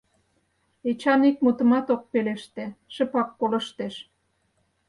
Эчан ик мутымат ок пелеште, шыпак колыштеш.